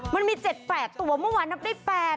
มันมี๗๘ตัวเมื่อวานนับได้๘